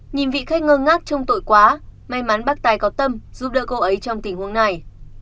nhìn vị khách ngơ ngát trong tội quá may mắn bác tài có tâm giúp đỡ cô ấy trong tình huống này